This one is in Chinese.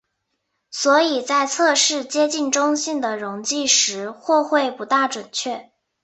所以在测试接近中性的溶剂时或会不大准确。